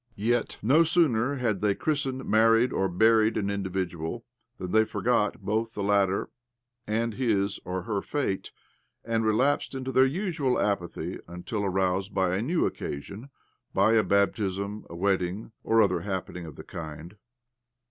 Yet no sooner had they christened, married, or buried an individual than they forgot both the latter and his (or her) fate, and relapsed into their usual OBLOMOV 125 apathy until aroused by a new occasion by a baptism, a wedding, or other happen ing of the kind.